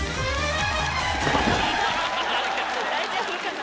大丈夫かな？